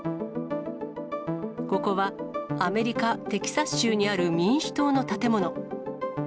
ここはアメリカ・テキサス州にある民主党の建物。